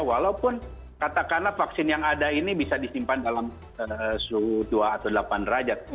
walaupun katakanlah vaksin yang ada ini bisa disimpan dalam suhu dua atau delapan derajat